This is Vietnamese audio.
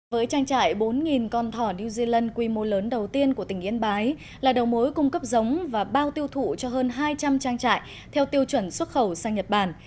với trang trại bốn con thỏ new zealand quy mô lớn đầu tiên của tỉnh yên bái là đầu mối cung cấp giống và bao tiêu thụ cho hơn hai trăm linh trang trại theo tiêu chuẩn xuất khẩu sang nhật bản